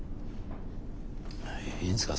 いいんすか？